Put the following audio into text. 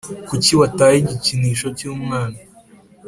Kuki wataye igikinisho cy’umwana